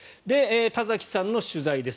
田崎さんの取材です。